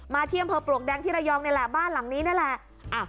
มาที่อำเภอปลวกแดงที่รายยองบ้านหลังนี้นี่แหละ